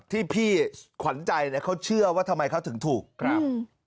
ที่พี่ขวัญใจเนี่ยเขาเชื่อว่าทำไมเขาถึงถูกครับ